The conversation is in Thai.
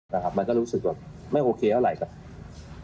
มันก็รู้สึกว่าไม่โอเคเท่าไหร่กับคุณ